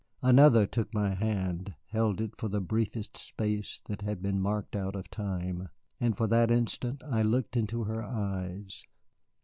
Another took my hand, held it for the briefest space that has been marked out of time, and for that instant I looked into her eyes.